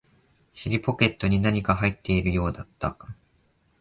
尻ポケットに何か入っているようだった